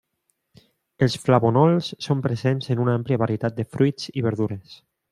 Els flavonols són presents en una àmplia varietat de fruits i verdures.